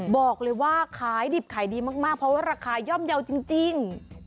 บอกเลยว่าขายดิบขายดีมากเพราะว่าราคาย่อมเยาว์จริง